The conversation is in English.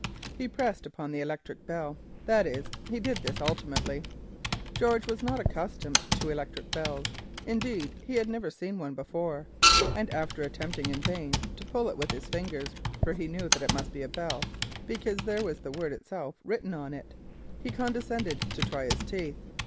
He pressed upon the electric bell; that is, he did this ultimately. George was not accustomed to electric bells, indeed he had never seen one before, and after attempting in vain to pull it with his fingers (for he knew that it must be a bell because there was the word itself written on it), as a last resource he condescended to try his teeth.